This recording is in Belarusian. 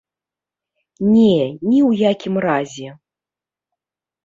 Не, ні ў якім разе.